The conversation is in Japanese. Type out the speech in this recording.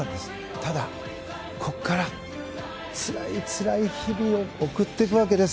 ただ、ここからつらいつらい日々を送ってくわけです。